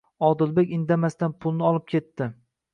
Odilbek indamasdan pulni olib ketdi.